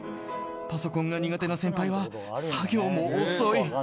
パソコンが苦手な先輩は作業も遅い。